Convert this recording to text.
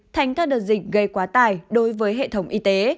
thành các đợt dịch gây quá tải đối với hệ thống y tế